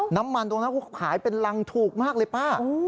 น้ำมันตรงนั้นขายเป็นรังถูกมากเลยป้า